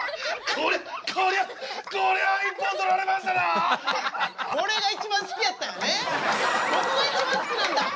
ここが一番好きなんだ。